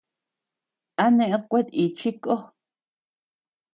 ¿A ñeʼed kuetíchi ko?